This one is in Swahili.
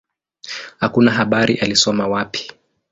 Hakuna habari alisoma wapi.